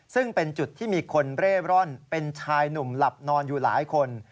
ซึ่งเป็นจุดที่มีคนเร่ร่อนเป็นชายหนุ่มหลับนอนอยู่หลายคน